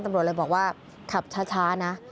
ตำรวจเลยบอกว่าขับช้านะ